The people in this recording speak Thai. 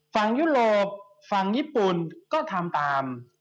ยุโรปฝั่งญี่ปุ่นก็ทำตาม